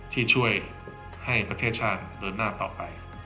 ที่ช่วยให้ประเทศชาติเดินหน้าต่อไป